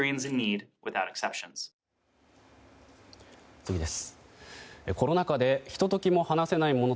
次です。